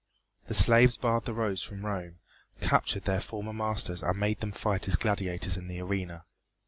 The slaves barred the roads from Rome, captured their former masters and made them fight as gladiators in the arena.